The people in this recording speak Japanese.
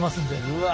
うわ！